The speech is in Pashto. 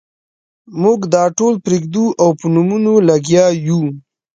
موږ دا ټول پرېږدو او په نومونو لګیا یو.